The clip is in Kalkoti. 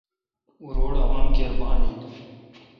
او روڑ عوام کیر بان این۔